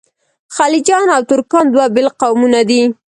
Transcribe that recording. خلجیان او ترکان دوه بېل قومونه دي.